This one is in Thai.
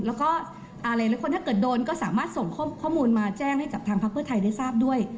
แล้วก็หลายคนถ้าเกิดโดนก็สามารถส่งข้อมูลมาแจ้งให้กับทางพักเพื่อไทยได้ทราบด้วย